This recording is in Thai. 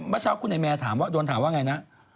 เมื่อเช้าคุณแมนถามว่าโดนถามว่าอย่างไรนะ